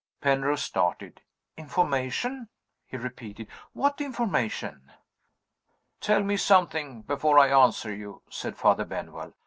Penrose started. "Information!" he repeated. "What information?" "Tell me something before I answer you," said Father Benwell.